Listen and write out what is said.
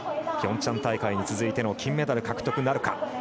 ピョンチャン大会に続いて金メダル獲得なるか。